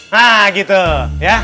hah gitu ya